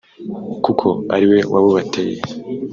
kuko ari we wabubateye